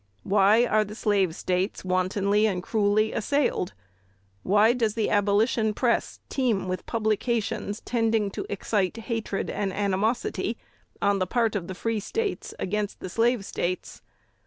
Why are the Slave States wantonly and cruelly assailed? Why does the abolition press teem with publications tending to excite hatred and animosity on the part of the Free States against the Slave States?...